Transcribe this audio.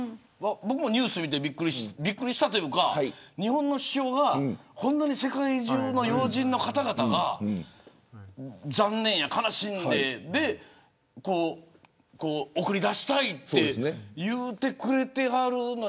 僕もニュース見てびっくりしたというか日本の首相が、世界中の要人の方々が残念や、悲しんで送り出したいって言うてくれてはるのに。